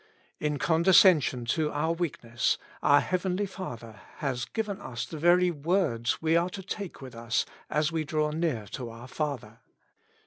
In condescension to our weakness, our Heavenly Teacher has given us the very words we are to take with us as we draw near to our Father.